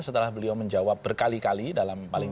setelah beliau menjawab berkali kali dalam paling